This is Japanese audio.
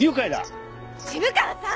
渋川さん！